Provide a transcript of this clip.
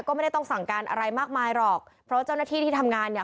ก็ไม่ได้ต้องสั่งการอะไรมากมายหรอกเพราะเจ้าหน้าที่ที่ทำงานเนี่ย